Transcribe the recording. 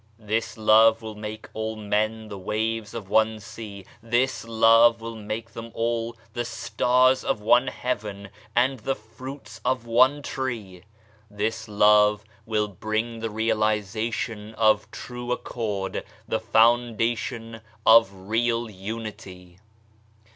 This love will make all men the waves of one sea, this love will make them all the stars of one heaven and the fruits of one tree. This love will TABLET REVEALED BY ABDUL BAHA 169 bring the realisation of true accord, the foundation of real unity.